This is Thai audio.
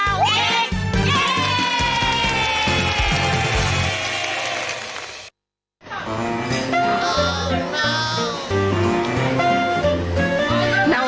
ถูไปด้วยใช่ไหม